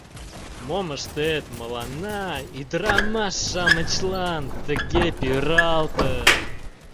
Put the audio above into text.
Мом ыштет, мыланна, ӱдырамаш-шамычлан, тыге пӱралтын.